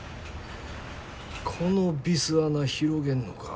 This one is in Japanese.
このビス穴広げんのか。